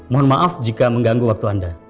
mohon maaf jika mengganggu waktu anda